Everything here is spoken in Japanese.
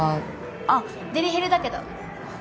あっデリヘルだけど。